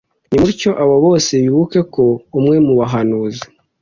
Nimutyo abo bose bibuke ko umwe mu bahanuzi